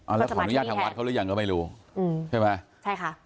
แล้วขออนุญาตทางวัดเขาหรือยังก็ไม่รู้อืมใช่ไหมใช่ค่ะ